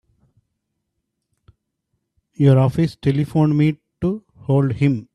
Your office telephoned me to hold him.